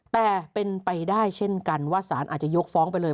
แต่เป็นไปได้เช่นกันว่าสารอาจจะยกฟ้องไปเลย